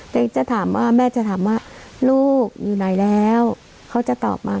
แต่จะถามว่าแม่จะถามว่าลูกอยู่ไหนแล้วเขาจะตอบมา